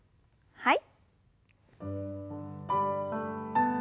はい。